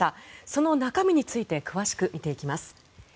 その中身について詳しく見ていきます。